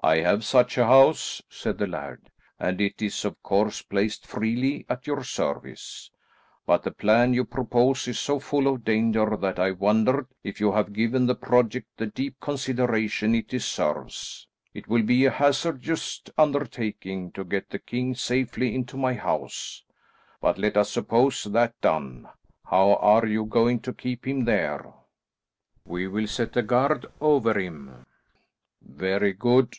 "I have such a house," said the laird, "and it is of course, placed freely at your service. But the plan you propose is so full of danger that I wondered if you have given the project the deep consideration it deserves. It will be a hazardous undertaking to get the king safely into my house, but let us suppose that done. How are you going to keep him there?" "We will set a guard over him." "Very good.